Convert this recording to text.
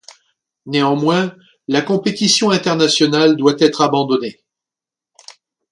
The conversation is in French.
Néanmoins, la compétition internationale doit être abandonnée.